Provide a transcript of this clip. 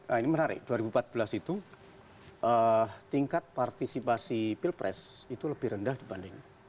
nah ini menarik dua ribu empat belas itu tingkat partisipasi pilpres itu lebih rendah dibanding